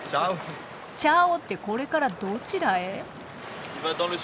チャオってこれからどちらへ？